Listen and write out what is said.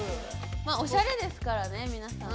おしゃれですからね皆さん。